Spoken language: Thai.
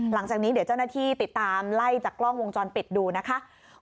หลังจากนี้เดี๋ยวเจ้าหน้าที่ติดตามไล่จากกล้องวงจรปิดดูนะคะ